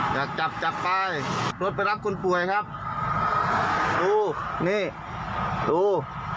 อยากจับจับไปรถไปรับคนป่วยครับดูนี่ดู